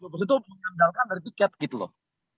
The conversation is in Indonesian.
bersentuh mengandalkan dari tiket gitu loh